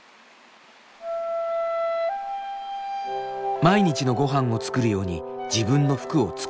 毎日のごはんを作るように自分の服を作るユミさん。